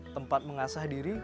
tempat mengasah diri